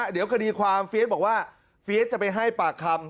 เดี๋ยวคดีความเฟียสบอกว่าเฟียสจะไปให้ปากคำ